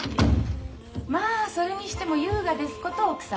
まあそれにしても優雅ですこと奥様。